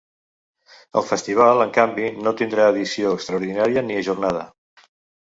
El festival, en canvi, no tindrà edició extraordinària ni ajornada.